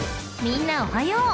［みんなおはよう］